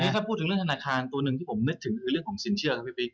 ถ้าพูดถึงเรื่องธนาคารตัวหนึ่งที่ผมนึกถึงคือเรื่องของสินเชื่อครับพี่ปิ๊ก